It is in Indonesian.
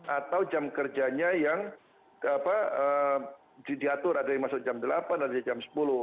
atau jam kerjanya yang diatur ada yang masuk jam delapan ada yang jam sepuluh